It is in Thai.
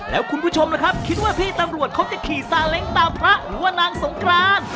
แล้วคุณผู้ชมล่ะครับคิดว่าพี่ตำรวจเขาจะขี่ซาเล้งตามพระหรือว่านางสงกราน